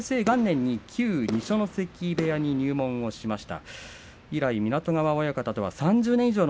平成元年に旧二所ノ関部屋に入門をしました。